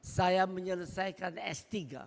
saya menyelesaikan s tiga